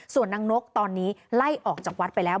ส่วนนางนกตอนนี้ไล่ออกจากวัดไปแล้ว